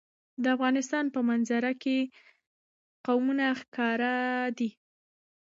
د افغانستان په منظره کې قومونه ښکاره ده.